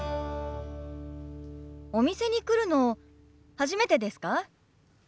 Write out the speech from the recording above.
お店に来るの初めてですか？